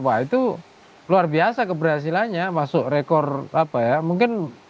wah itu luar biasa keberhasilannya masuk rekor apa ya mungkin